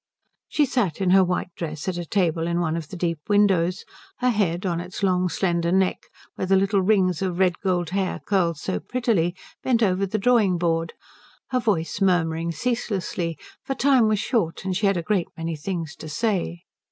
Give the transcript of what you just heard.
She sat in her white dress at a table in one of the deep windows, her head on its long slender neck, where the little rings of red gold hair curled so prettily, bent over the drawing board, her voice murmuring ceaselessly, for time was short and she had a great many things to say.